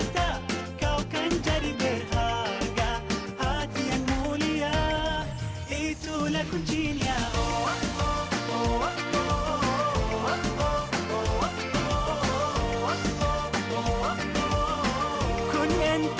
baik assalamualaikum warahmatullahi wabarakatuh